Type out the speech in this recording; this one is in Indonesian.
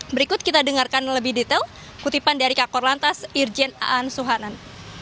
berikut kita dengarkan lebih detail kutipan dari kakor lantas irjen aan suhanan